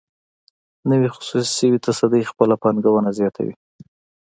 نوې خصوصي شوې تصدۍ خپله پانګونه زیاتوي.